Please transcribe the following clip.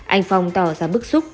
anh phong tỏ ra bức xúc